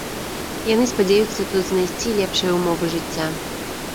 Яны спадзяюцца тут знайсці лепшыя ўмовы жыцця.